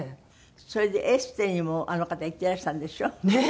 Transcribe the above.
それでエステにもあの方行ってらしたんでしょ？ねえ。